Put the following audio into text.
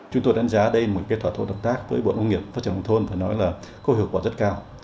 chúng tôi đánh giá đây một cái thỏa thuận đặc tác với bộ nông nghiệp phát triển đông thôn và nói là có hiệu quả rất cao